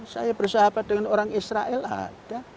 saya bersahabat dengan orang israel ada